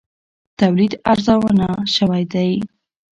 تولید ارزانه شوی دی.